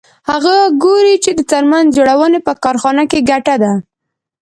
هغه ګوري چې د څرمن جوړونې په کارخانه کې ګټه ده